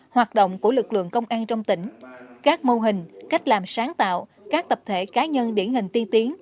hoạt động của lực lượng công an trong tỉnh các mô hình cách làm sáng tạo các tập thể cá nhân điển hình tiên tiến